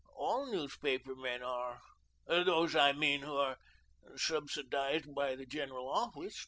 All newspaper men are. Those, I mean, who are subsidised by the General Office.